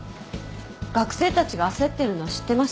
学生たちが焦ってるのは知ってます。